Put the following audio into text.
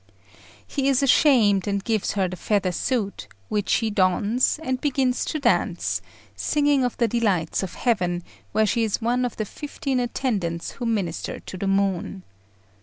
He is ashamed, and gives her the feather suit, which she dons, and begins to dance, singing of the delights of heaven, where she is one of the fifteen attendants who minister to the moon.